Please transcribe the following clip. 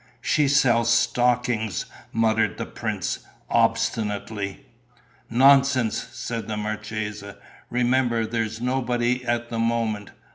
"She sells stockings," muttered the prince, obstinately. "Nonsense!" said the marchesa. "Remember that there's nobody at the moment.